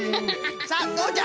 さあどうじゃ。